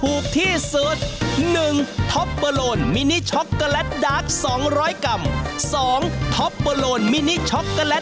วันนี้ต้องขอบคุณคุณเอกกี้และคุณแจ๊ค